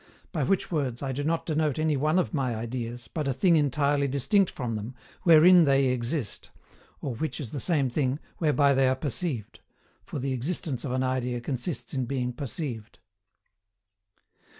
By which words I do not denote any one of my ideas, but a thing entirely distinct from them, WHEREIN THEY EXIST, or, which is the same thing, whereby they are perceived for the existence of an idea consists in being perceived.